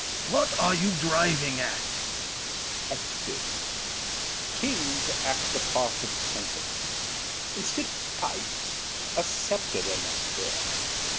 What are you driving at? L'ANGELY. At this: Kings act the part of sentinels. Instead of pikes, a scepter they must bear.